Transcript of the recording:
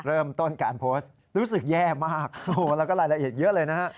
เริ่มต้นการโพสต์รู้สึกแย่มากแล้วก็รายละเอียดเยอะเลยนะฮะ